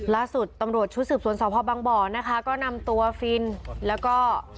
ล่าสุดตำรวจชุดสืบสวนสพบังบ่อนะคะก็นำตัวฟินแล้วก็